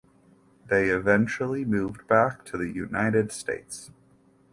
They eventually moved back to the United States.